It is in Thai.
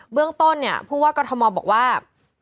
เบื้องต้นพูดว่ากฎธมบอกว่า